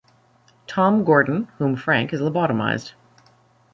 Tom Gordon, whom Frank has lobotomized.